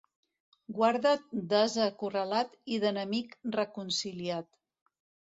Guarda't d'ase acorralat i d'enemic reconciliat.